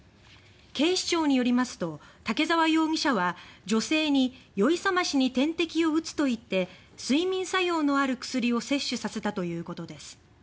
警視庁によりますと竹澤容疑者は、女性に「酔い覚ましに点滴を打つ」と言って睡眠作用のある薬を摂取させたということです。